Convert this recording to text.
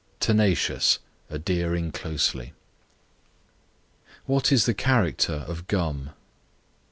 Tenacious, adhering closely. What is the character of Gum?